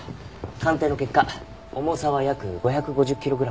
鑑定の結果重さは約５５０キログラムです。